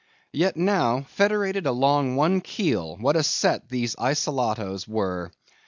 Yet now, federated along one keel, what a set these Isolatoes were!